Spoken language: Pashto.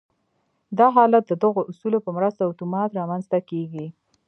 دا حالت د دغو اصولو په مرسته اتومات رامنځته کېږي